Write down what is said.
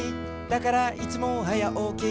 「だからいつもはやおき」